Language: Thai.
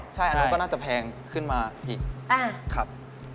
ใช่อันนั้นก็น่าจะแพงขึ้นมาอีกครับ